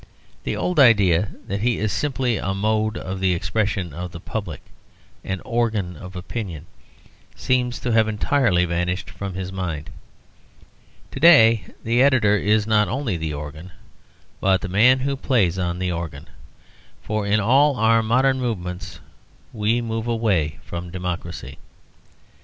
The old idea that he is simply a mode of the expression of the public, an "organ" of opinion, seems to have entirely vanished from his mind. To day the editor is not only the organ, but the man who plays on the organ. For in all our modern movements we move away from Democracy.